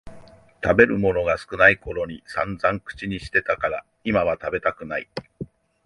食べるものが少ないころにさんざん口にしてたから今は食べたくない